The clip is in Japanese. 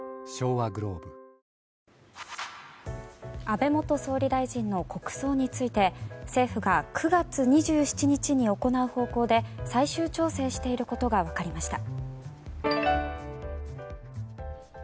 安倍元総理大臣の国葬について政府が９月２７日に行う方向で最終調整していることが分かりました。